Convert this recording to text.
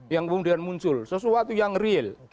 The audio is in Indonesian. yang kemudian muncul sesuatu yang real